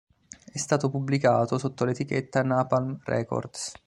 È stato pubblicato sotto l'etichetta Napalm Records.